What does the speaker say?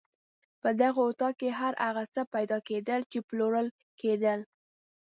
په دغه اطاق کې هر هغه څه پیدا کېدل چې پلورل کېدل.